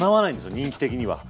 人気的には。